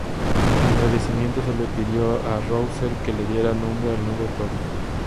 En agradecimiento, se le pidió a Russell que le diera nombre al nuevo pueblo.